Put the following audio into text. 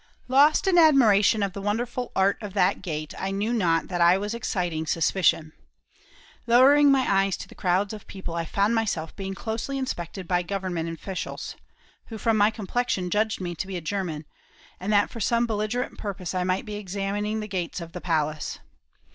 Lost in admiration of the wonderful art of that gate I knew not that I was exciting suspicion. Lowering my eyes to the crowds of people I found myself being closely inspected by government officials, who from my complexion judged me to be a German, and that for some belligerent purpose I might be examining the gates of the palace.